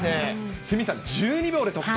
鷲見さん、１２秒で得点。